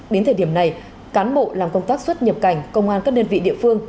đến thời điểm này cán bộ làm công tác xuất nhập cảnh công an các đơn vị địa phương